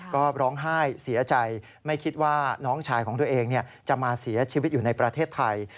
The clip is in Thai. ก็ร้องไห้เสียใจไม่คิดว่าน้องชายของตัวเองจะมาเสียชีวิตอยู่ในประเทศไทย